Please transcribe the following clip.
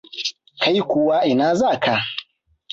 Kai kuwa ina zaka haka?